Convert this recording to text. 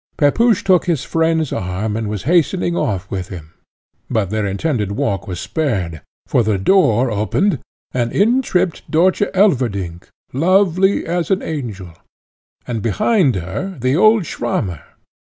Pepusch took his friend's arm, and was hastening off with him; but their intended walk was spared, for the door opened, and in tripped Dörtje Elverdink, lovely as an angel, and behind her the old Swammer.